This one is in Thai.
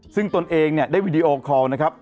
ซึ่งตนเองได้วิดีโอคอล์นะครับ